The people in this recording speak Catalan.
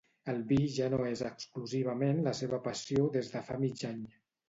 El vi ja no és exclusivament la seva passió des de fa mig any.